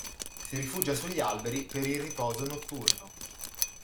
Si rifugia sugli alberi per il riposo notturno.